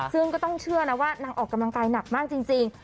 ซึ่งก็ต้องเชื่อนะว่านางออกกำลังกายหนักมากจริง